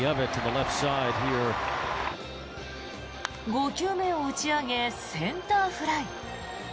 ５球目を打ち上げセンターフライ。